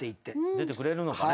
出てくれるのかね。